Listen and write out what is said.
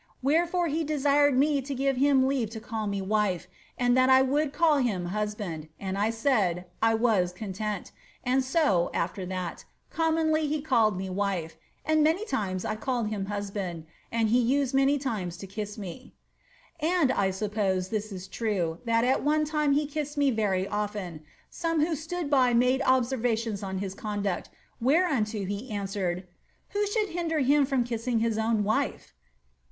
marry together, and some of his enemies had envy thereat, wh he desired me to give him leave to call me wife, and that I woi him husband, and I said, ^ I was content;' and so, after that, coo he called me wife, and many times I called him husband, and 1 many times to kiss me. ^And, I suppose, this is true, that at one time he kissed n often : some who stood by made observations on his conduct, unto he answered, ^Who should hinder him from kissing hi wife